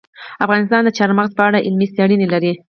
افغانستان د چار مغز په اړه علمي څېړنې لري.